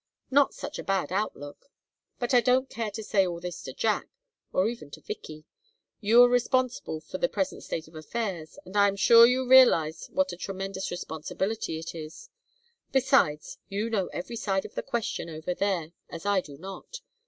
Not such a bad outlook! But I don't care to say all this to Jack or even to Vicky. You are responsible for the present state of affairs, and I am sure you realize what a tremendous responsibility it is. Besides, you know every side of the question over there as I do not.